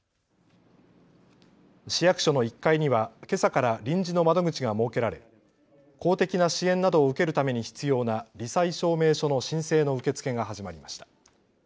市役所の１階にはけさから臨時の窓口が設けられ公的な支援などを受けるために必要なり災証明書の申請の受け付けが始まりました。